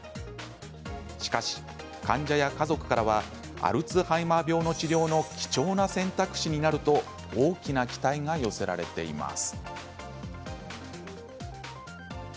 しかし、患者や家族からはアルツハイマー病の治療の貴重な選択肢になると大きな期待が寄せられています。